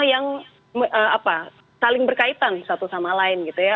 memang itu mekanisme yang apa saling berkaitan satu sama lain gitu ya